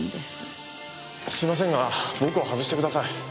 すいませんが僕を外してください。